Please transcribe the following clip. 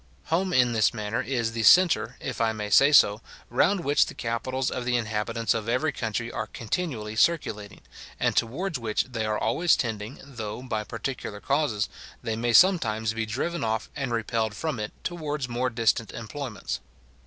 Home is in this manner the centre, if I may say so, round which the capitals of the inhabitants of every country are continually circulating, and towards which they are always tending, though, by particular causes, they may sometimes be driven off and repelled from it towards more distant employments.